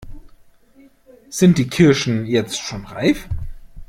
Sind die Kirschen jetzt schon reif?